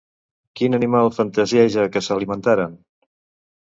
Quin animal fantasieja que alimentaran?